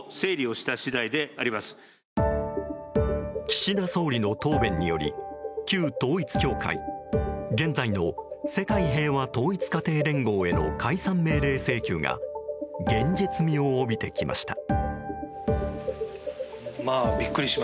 岸田総理の答弁により旧統一教会現在の世界平和統一家庭連合への解散命令請求が現実味を帯びてきました。